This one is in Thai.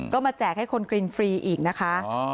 ก็มาแจกให้คนกินฟรีอีกนะคะ